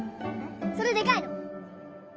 それでかいの！